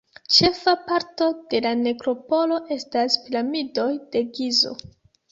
Ĉefa parto de la nekropolo estas Piramidoj de Gizo.